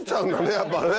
やっぱね